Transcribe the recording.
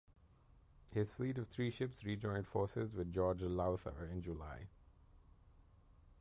His fleet of three ships rejoined forces with George Lowther in July.